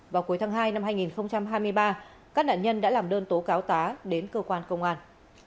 vào cuối tháng hai năm hai nghìn hai mươi ba các nạn nhân đã làm đơn tố cáo tá đến cơ quan công an